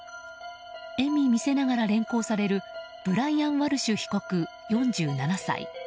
笑み見せながら連行されるブライアン・ワルシュ被告４７歳。